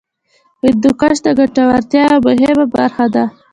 هندوکش د ګټورتیا یوه مهمه برخه ده.